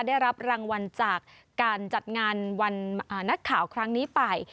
ได้รับรางวัลจากการจัดงานวันนักข่าวครั้งนี้ไป